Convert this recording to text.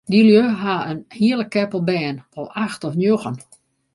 Dy lju ha in hiele keppel bern, wol acht of njoggen.